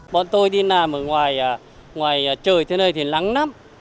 bọn tôi đi làm ở ngoài trời thế này thì nắng lắm